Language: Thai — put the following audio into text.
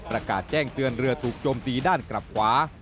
ประกาศแจ้งเตือนเรือถูกโจมตีด้านกลับขวา